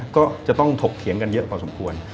ก็จะต้องถกเถียงกันเยอะพอสมควร